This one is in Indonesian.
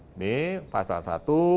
ini pasal satu